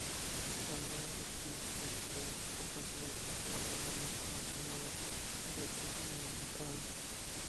Algunos activistas de la discapacidad están abogando por un símbolo de acceso modificado.